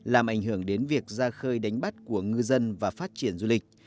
làm ảnh hưởng đến việc ra khơi đánh bắt của ngư dân và phát triển du lịch